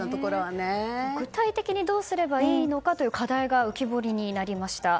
具体的にどうすればいいのかという課題が浮き彫りになりました。